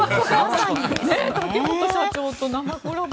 竹本社長と生コラボ。